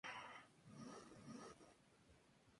Como último deseo se quiere descargar un famoso de Internet.